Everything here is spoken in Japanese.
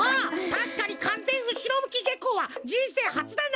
たしかにかんぜんうしろむきげこうはじんせいはつだな。